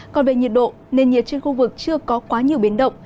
còn về nhiệt độ nền nhiệt trên khu vực chưa có quá nhiều biến động